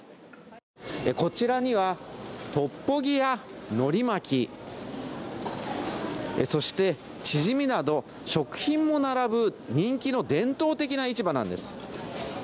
こちらには、トッポギやのり巻き、そしてチジミなど食品も並ぶ人気の伝統的な市場なんです。